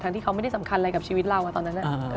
ที่เขาไม่ได้สำคัญอะไรกับชีวิตเราตอนนั้น